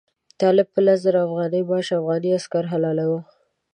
طالب په لس زره افغانۍ معاش افغان عسکر حلالاوه.